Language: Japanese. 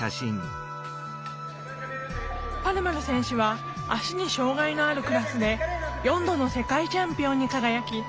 パルマル選手は足に障害のあるクラスで４度の世界チャンピオンに輝き